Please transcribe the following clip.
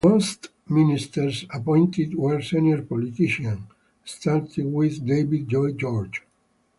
Most Ministers appointed were senior politicians, starting with David Lloyd George.